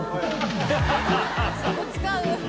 そこ使う？